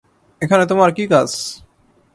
এখানে তোমার কী কাজ!